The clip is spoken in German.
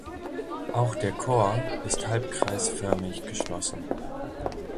Auch der Chor ist halbkreisförmig geschlossen.